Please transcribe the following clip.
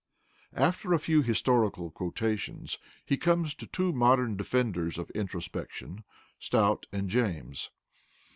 After a few historical quotations, he comes to two modern defenders of introspection, Stout and James.